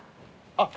あっ。